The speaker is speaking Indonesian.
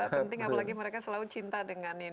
penting apalagi mereka selalu cinta dengan ini